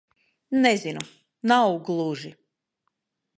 Nezinu. Nav gluži...